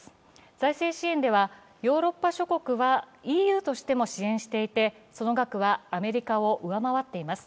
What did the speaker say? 財政支援ではヨーロッパ諸国はＥＵとしても支援していて、その額はアメリカを上回っています。